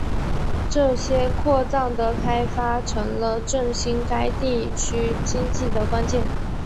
这些矿藏的开发成了振兴该地区经济的关键。